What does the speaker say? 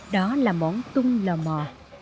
đó là món tung lò mò